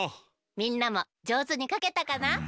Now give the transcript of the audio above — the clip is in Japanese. みんなもじょうずにかけたかな？